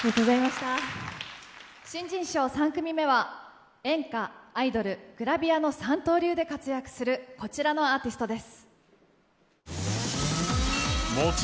新人賞３組目は、演歌、アイドル、グラビアの三刀流で活躍するこちらのアーティストです。